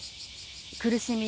苦しみ